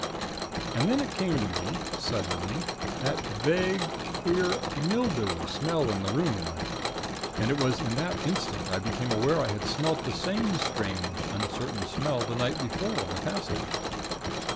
"And then it came to me, suddenly, that vague, queer, mildewy smell in the room; and it was in that instant I became aware I had smelt the same strange, uncertain smell the night before in the passage.